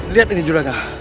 lihat ini juragan